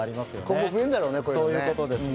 今後、増えるんだろうね。